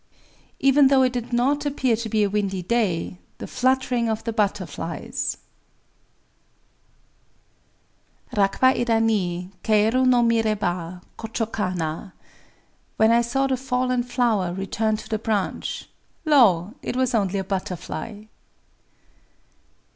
[Even though it did not appear to be a windy day, the fluttering of the butterflies—!] Rakkwa éda ni Kaëru to miréba— Kochō kana! [_When I saw the fallen flower return to the branch—lo! it was only a butterfly!